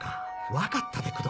分かったで工藤！